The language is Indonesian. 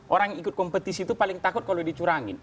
orang yang ikut kompetisi itu paling takut kalau dicurangin